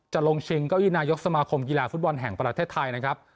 ลงชิงเก้าอี้นายกสมาคมกีฬาฟุตบอลแห่งประเทศไทยนะครับ